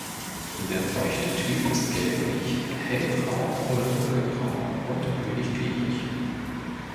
Der feuchte Typ ist gelblich, hellbraun oder dunkelbraun und ölig-klebrig.